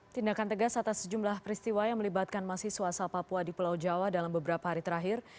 tindakan tegas atas sejumlah peristiwa yang melibatkan mahasiswa asal papua di pulau jawa dalam beberapa hari terakhir